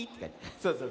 そうそう。